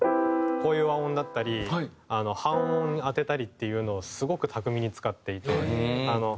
こういう和音だったり半音を当てたりっていうのをすごく巧みに使っていて。